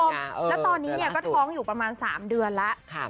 แล้วตอนนี้เนี่ยก็ท้องอยู่ประมาณ๓เดือนแล้ว